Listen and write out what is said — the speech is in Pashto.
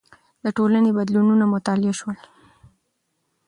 د ټولنې بدلونونه مطالعه شول.